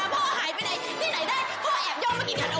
โหยแมกให้พ่อได้จำนึกผิดบ้างดิ